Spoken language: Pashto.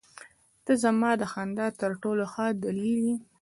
• ته زما د خندا تر ټولو ښه دلیل یې.